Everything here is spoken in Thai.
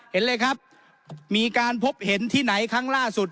เห็นเลยครับมีการพบเห็นที่ไหนครั้งล่าสุด